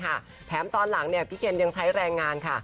เพราะฉะนั้นตอนหลังพี่เคนยังใช้แรงงานค่ะ